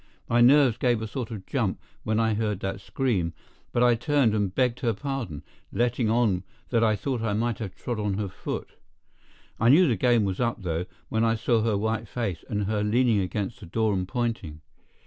My nerves gave a sort of a jump when I heard that scream, but I turned and begged her pardon, letting on that I thought I might have trod on her foot. I knew the game was up, though, when I saw her white face, and her leaning against the door and pointing.